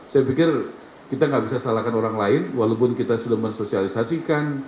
saya pikir kita nggak bisa salahkan orang lain walaupun kita sudah mensosialisasikan